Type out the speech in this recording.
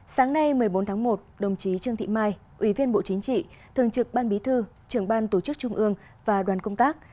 sáng nay một mươi bốn tháng một đồng chí trương thị mai ủy viên bộ chính trị thường trực ban bí thư trưởng ban tổ chức trung ương và đoàn công tác